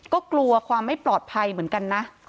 ก็กลัวความไม่ปลอดภัยเหมือนกันนะ